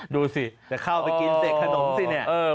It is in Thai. ดูสิเดี๋ยวเข้าไปกินเสร็จขนมสิเนี่ย